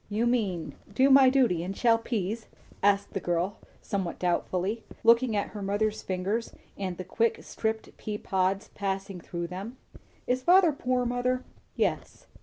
"You mean, do my duty and shell peas?" asked the girl somewhat doubtfully, looking at her mother's fingers and the quick stripped pea pods passing through them. "Is father poor, mother?" "Yes."